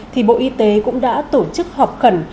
thì bộ y tế cũng đã tổ chức họp khẩn